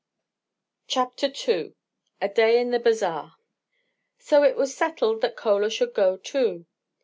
CHAPTER II A DAY IN THE BAZAAR SO it was settled that Chola should go, too.